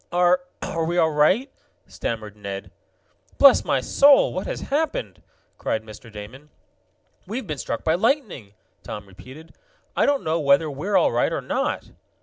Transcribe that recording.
"Are are we all right?" stammered Ned. "Bless my soul! What has happened?" cried Mr. Damon. "We've been struck by lightning!" Tom repeated. "I don't know whether we're all right or not."